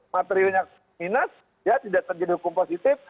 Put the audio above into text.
materialnya minus ya tidak terjadi hukum positif